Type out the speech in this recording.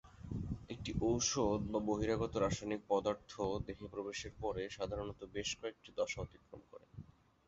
একটি ঔষধ বা বহিরাগত রাসায়নিক পদার্থ দেহে প্রবেশের পরে সাধারণত বেশ কয়েকটি দশা অতিক্রম করে।